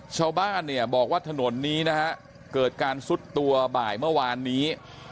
ชาวบ้านเนี่ยบอกว่าถนนนี้นะฮะเกิดการซุดตัวบ่ายเมื่อวานนี้